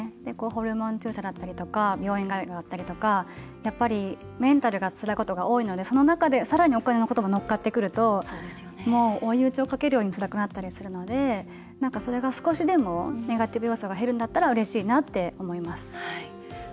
ホルモン注射だったりとか病院通いだったりとかやっぱりメンタルがつらいことが多いのでその中で、さらにお金のことも乗っかってくると追い打ちをかけるようにつらくなったりするのでそれが、少しでもネガティブ要素が減るんだったらうれしいなって思います。